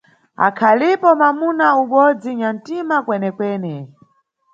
Akhalipo mamuna um'bodzi nyantima kwenekwene.